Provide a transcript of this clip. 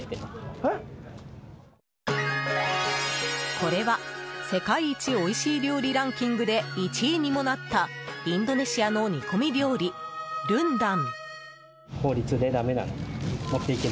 これは、世界一おいしい料理ランキングで１位にもなったインドネシアの煮込み料理ルンダン。